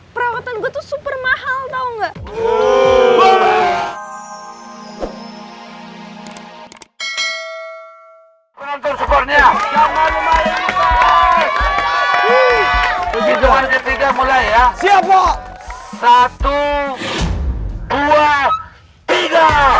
perawatan gue tuh super mahal tau gak